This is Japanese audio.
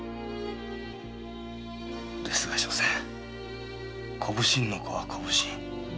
ですが所詮小普請の子は小普請。